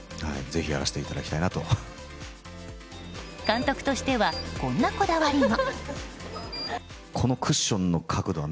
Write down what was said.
監督としてはこんなこだわりも。